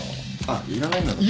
あっいらないなら。